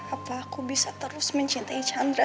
apa aku bisa terus mencintai chandra